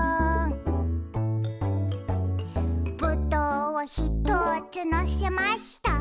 「ぶどうをひとつのせました」